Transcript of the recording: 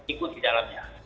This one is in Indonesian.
ikut di dalamnya